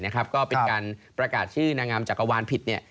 ก็เป็นการประกาศชื่อนางงามจักรวาลผิด